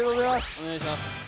お願いします。